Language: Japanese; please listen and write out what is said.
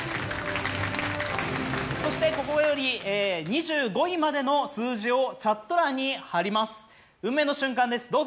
そしてここより２５位までの数字をチャット欄に貼ります運命の瞬間です